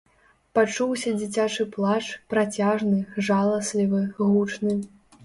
Пачуўся дзіцячы плач, працяжны, жаласлівы, гучны.